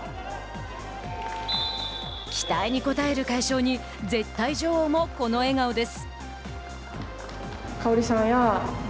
期待に応える快勝に絶対女王もこの笑顔です。